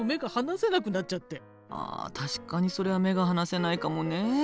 あ確かにそれは目が離せないかもね。